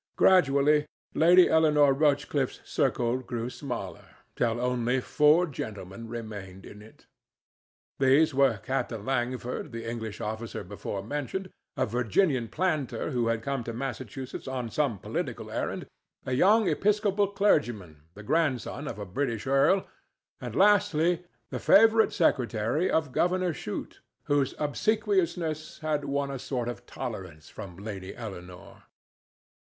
Gradually, Lady Eleanore Rochcliffe's circle grew smaller, till only four gentlemen remained in it. These were Captain Langford, the English officer before mentioned; a Virginian planter who had come to Massachusetts on some political errand; a young Episcopal clergyman, the grandson of a British earl; and, lastly, the private secretary of Governor Shute, whose obsequiousness had won a sort of tolerance from Lady Eleanore.